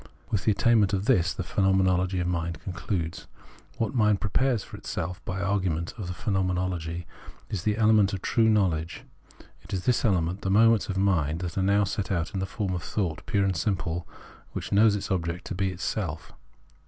With the attainment of this the Phenomenology of Mind concludes. What mind pre pares for itself by the argument of the Phenomenology is the element of true knowledge. In this element the moments of mind are now set out in the form of thought pure and simple, which knows its object to be itself.